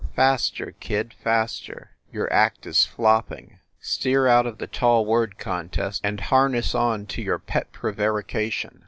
"Faster, kid, faster! Your act is flopping! Steer out of the tall word contest, and harness on to your pet prevarication."